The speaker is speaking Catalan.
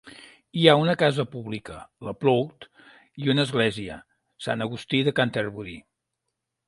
Hi ha una casa pública, "la Plough" i una església, "Sant Agustí de Canterbury".